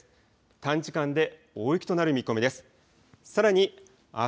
短時間で大雪となる見込みです。